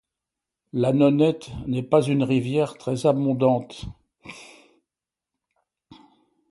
La Nonette n'est pas une rivière très abondante.